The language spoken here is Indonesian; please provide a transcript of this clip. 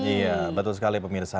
iya betul sekali pemirsa